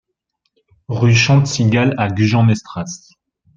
Rue Chante Cigale à Gujan-Mestras